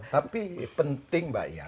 tapi penting mbak ia